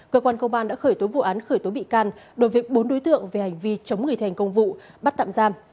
cơ quan công an đã khởi tối vụ án khởi tối bị can đối với bốn đối tượng về hành vi chống người thi hành công vụ bắt tạm giam